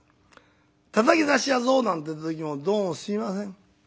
『たたき出しちゃうぞ』なんていう時も『どうもすいません。